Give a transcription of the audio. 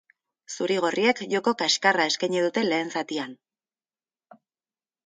Zuri-gorriek joko kaskarra eskaini dute lehen zatian.